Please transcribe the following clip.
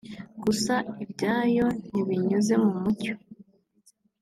Gusa ibyayo ntibinyuze mu mucyo